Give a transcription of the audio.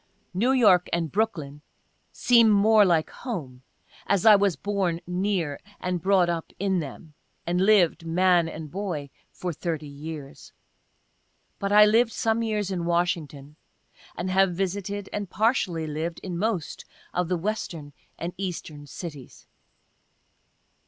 (New York and Brooklyn seem more like home, as I was born near, and brought up in them, and lived, man and boy, for 30 years. But I lived some years in Washington, and have visited, and partially lived, in most of the Western and Eastern cities.)